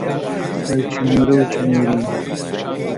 وەی چنوورە و چنووری